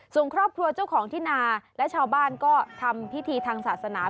ส่วนครอบครัวเจ้าของที่นาและชาวบ้านก็ทำพิธีทางศาสนา